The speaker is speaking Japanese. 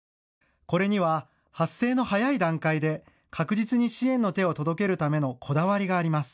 これには発生の早い段階で確実に支援の手を届けるためのこだわりがあります。